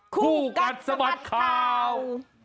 ครูกัดสมัสข่าว